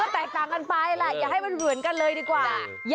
แตกต่างกันไปแหละอย่าให้มันเหมือนกันเลยดีกว่า